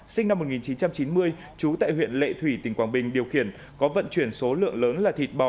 sinh năm một nghìn chín trăm chín mươi trú tại huyện lệ thủy tỉnh quảng bình điều khiển có vận chuyển số lượng lớn là thịt bò